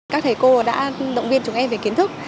các thầy cô đã động viên chúng em về kiến thức